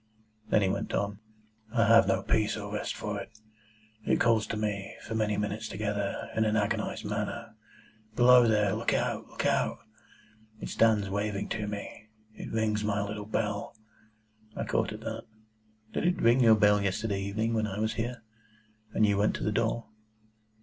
Then he went on. "I have no peace or rest for it. It calls to me, for many minutes together, in an agonised manner, 'Below there! Look out! Look out!' It stands waving to me. It rings my little bell—" I caught at that. "Did it ring your bell yesterday evening when I was here, and you went to the door?"